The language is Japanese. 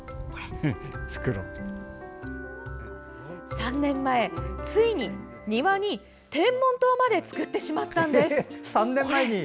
３年前、ついに庭に天文棟まで作ってしまったんです。